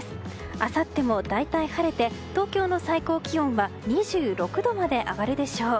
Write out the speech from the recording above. あさっても大体晴れて東京の最高気温は２６度まで上がるでしょう。